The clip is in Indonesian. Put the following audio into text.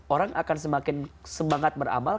orang akan semakin semangat beramal